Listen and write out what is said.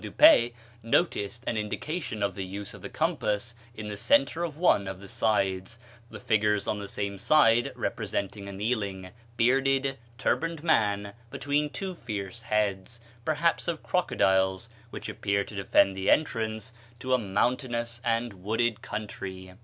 Dupaix noticed an indication of the use of the compass in the centre of one of the sides, the figures on the same side representing a kneeling, bearded, turbaned man between two fierce heads, perhaps of crocodiles, which appear to defend the entrance to a mountainous and wooded country.